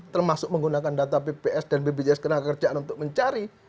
termasuk menggunakan data bps dan bpjs kenakerjaan untuk mencari